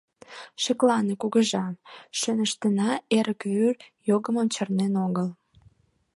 — Шеклане, кугыжа: шӧныштына эрык вӱр йогымым чарнен огыл.